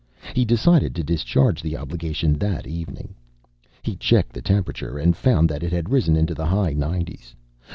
He decided to discharge the obligation that evening. He checked the temperature, and found that it had risen into the high nineties.